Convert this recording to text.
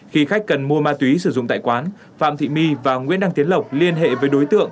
khi khách cần mua ma túy sử dụng tại quán phạm thị my và nguyễn đăng tiến lộc liên hệ với đối tượng